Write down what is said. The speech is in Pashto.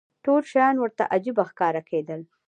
ټول شیان ورته عجیبه ښکاره کېدل.